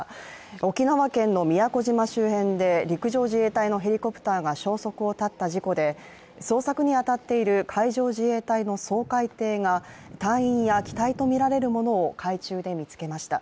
沖縄県の宮古島周辺で陸上自衛隊のヘリコプターが消息を絶った事故で、捜索に当たっている海上自衛隊の掃海艇が隊員や機体とみられるものを海中で発見しました。